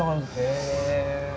へえ。